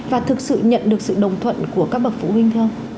và thực sự nhận được sự đồng thuận của các bậc phụ huynh theo